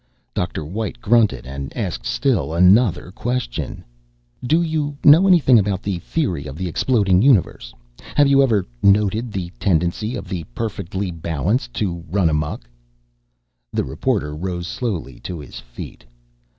Dr. White grunted and asked still another question: "Do you know anything about the theory of the exploding universe? Have you ever noted the tendency of the perfectly balanced to run amuck?" The reporter rose slowly to his feet.